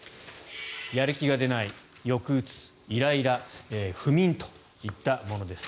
やる気が出ない抑うつ、イライラ不眠といったものです。